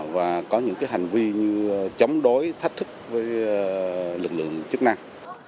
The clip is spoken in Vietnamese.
và có những hành vi như chống đối thách thức với lực lượng chức năng